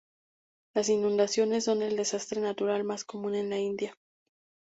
Las inundaciones son el desastre natural más común en la India.